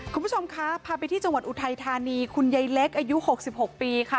คุณผู้ชมคะพาไปที่จังหวัดอุทัยธานีคุณยายเล็กอายุ๖๖ปีค่ะ